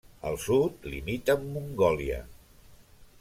Al sud limita amb Mongòlia.